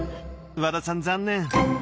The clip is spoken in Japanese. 和田さん残念！